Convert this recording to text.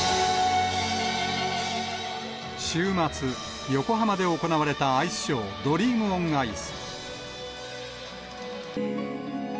週末、横浜で行われたアイスショー、ドリーム・オン・アイス。